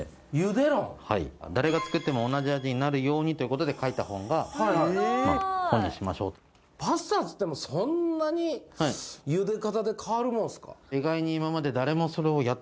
はい誰が作っても同じ味になるようにということで書いた本がまあ本にしましょうとパスタっつってもそんなにゆで方で変わるもんすか？